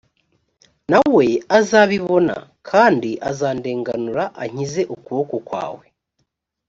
nawe azabibona kandi azandenganura ankize ukuboko kwawe